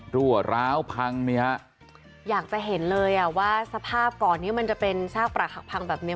รั่วร้าวพังเนี่ยอยากจะเห็นเลยอ่ะว่าสภาพก่อนที่มันจะเป็นซากปรักหักพังแบบนี้